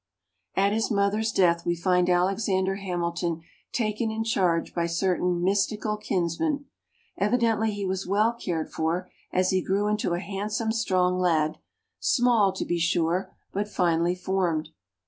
At his mother's death, we find Alexander Hamilton taken in charge by certain mystical kinsmen. Evidently he was well cared for, as he grew into a handsome, strong lad small, to be sure, but finely formed.